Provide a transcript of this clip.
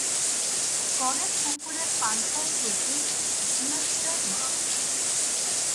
গড়ের পুকুরে পানফল তুলতে গিাইছিলাম মা।